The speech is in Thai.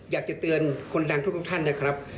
อยากจะเตือนคนดังทุกท่านนะครับ